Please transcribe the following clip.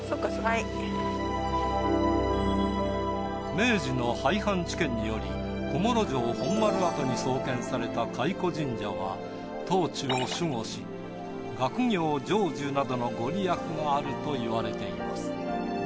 明治の廃藩置県により小諸城本丸跡に創建された懐古神社は当地を守護し学業成就などのご利益があるといわれています。